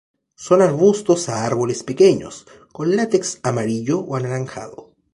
Son arbustos a árboles pequeños, con látex amarillo o anaranjado.